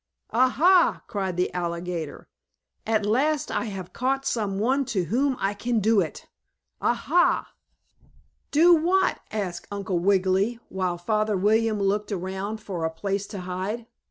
"Ah, ha!" cried the alligator. "At last I have caught some one to whom I can do it! Ah, ha!" "Do what?" asked Uncle Wiggily, while Father William looked around for a place to hide.